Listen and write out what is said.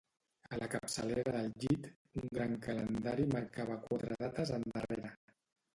A la capçalera del llit, un gran calendari marcava quatre dates endarrere.